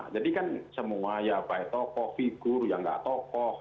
jadi kan semua baik tokoh figur yang nggak tokoh